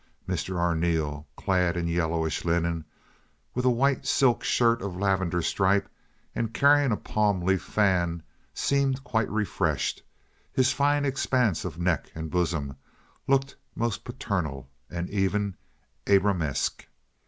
Mr. Arneel, clad in yellowish linen, with a white silk shirt of lavender stripe, and carrying a palm leaf fan, seemed quite refreshed; his fine expanse of neck and bosom looked most paternal, and even Abrahamesque.